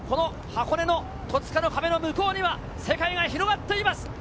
箱根の戸塚の壁の向こうには世界が広がっています。